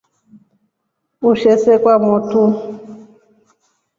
Ushe see kwa motu.